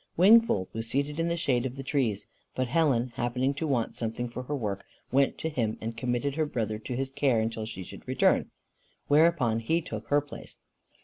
Wingfold was seated in the shade of the trees, but Helen, happening to want something for her work, went to him and committed her brother to his care until she should return, whereupon he took her place.